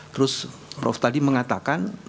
terus prof tadi mengatakan